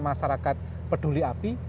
masyarakat peduli api